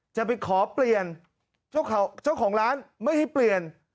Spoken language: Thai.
จะไปขอเปลี่ยนเจ้าของร้านไม่ให้เปลี่ยน